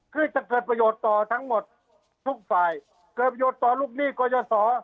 คือจะเกิดประโยชน์ต่อทั้งหมดทุกฝ่ายเกิดประโยชน์ต่อลูกหนี้กรยาศร